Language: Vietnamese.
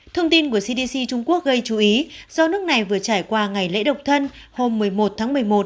thông tin của cdc trung quốc gây chú ý do nước này vừa trải qua ngày lễ độc thân hôm một mươi một tháng một mươi một